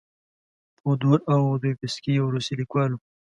فودور اودویفسکي یو روسي لیکوال و.